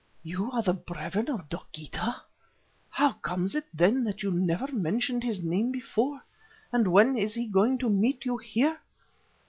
"You are the brethren of Dogeetah! How comes it then that you never mentioned his name before, and when is he going to meet you here?